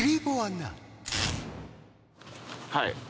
はい。